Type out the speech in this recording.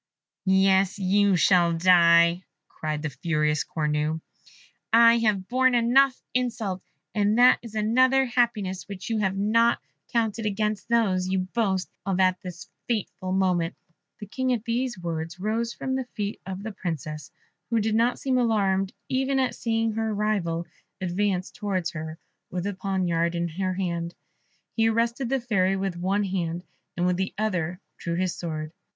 "Yes, you shall die," cried the furious Cornue; "I have borne enough insults, and that is another happiness which you have not counted amongst those you boast of at this fatal moment!" The King at these words rose from the feet of the Princess, who did not seem alarmed even at seeing her rival advance towards her with a poniard in her hand. He arrested the Fairy with one hand, and with the other drew his sword.